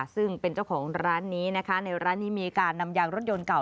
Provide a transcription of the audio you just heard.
ซึ่งเป็นเจ้าของร้านนี้นะคะในร้านนี้มีการนำยางรถยนต์เก่า